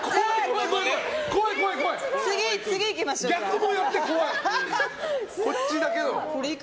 怖い、怖い！